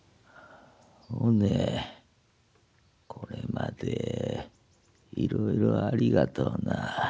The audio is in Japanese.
おねこれまでいろいろありがとうな。